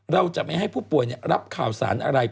เราจะไม่ให้ผู้ป่วยรับข่าวสารอะไร